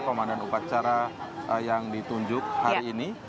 komandan upacara yang ditunjuk hari ini